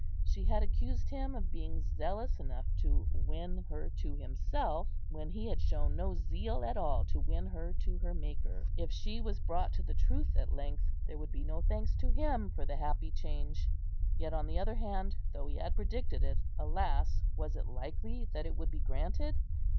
She had accused him of being zealous enough to win her to himself, when he had shown no zeal at all to win her to her Maker. If she was brought to the truth at length, there would be no thanks to him for the happy change; yet on the other hand, though he had predicted it, alas! was it likely that it would be granted?